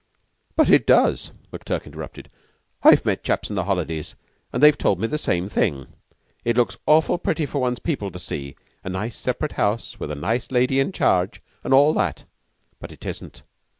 "But it does," McTurk interrupted. "I've met chaps in the holidays, an' they've told me the same thing. It looks awfully pretty for one's people to see a nice separate house with a nice lady in charge, an' all that. But it isn't.